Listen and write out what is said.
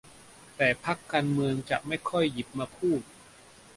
แต่พรรคการเมืองจะไม่ค่อยหยิบมาพูด